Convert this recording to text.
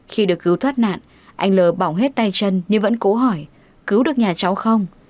khi được cứu thoát nạn anh l bỏ bỏng hết tay chân nhưng vẫn cố hỏi cứu được nhà cháu không